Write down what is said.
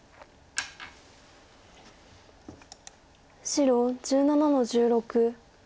白１７の十六。